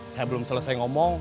saya belum selesai ngomong